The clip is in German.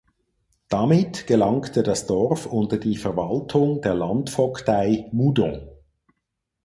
Damit gelangte das Dorf unter die Verwaltung der Landvogtei Moudon.